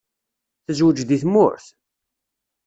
Tezweǧ deg tmurt?